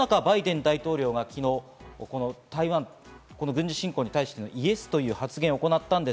バイデン大統領が昨日、台湾への軍事侵攻に対してイエスという発言を行いました。